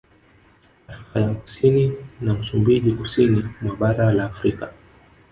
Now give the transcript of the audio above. Afrika ya Kusini na Msumbiji Kusini mwa Bara la Afrika